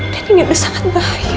dan ini udah sangat bahaya